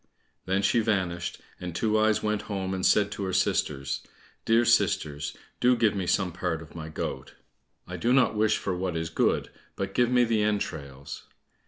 Then she vanished, and Two eyes went home and said to her sisters, "Dear sisters, do give me some part of my goat; I don't wish for what is good, but give me the entrails."